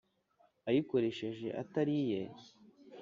ayikoreshe atari iye .